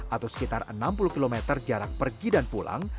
atau sekitar enam puluh km jarak pergi dan pulang